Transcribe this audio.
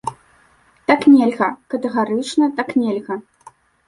Так нельга, катэгарычна так нельга.